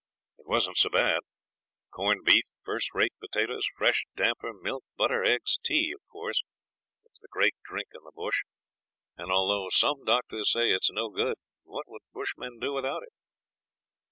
It wasn't so bad corned beef, first rate potatoes, fresh damper, milk, butter, eggs. Tea, of course, it's the great drink in the bush; and although some doctors say it's no good, what would bushmen do without it?